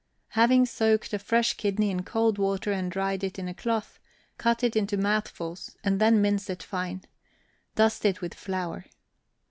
Having soaked a fresh kidney in cold water and dried it in a cloth, cut it into mouthfuls, and then mince it fine; dust it with flour.